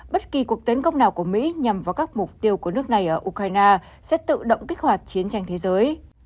bất kỳ cuộc tấn công nào của mỹ nhằm vào các mục tiêu của nước này ở ukraine sẽ tự động kích hoạt chiến tranh thế giới